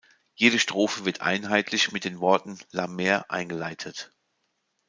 Jede Strophe wird einheitlich mit den Worten „La mer“ eingeleitet.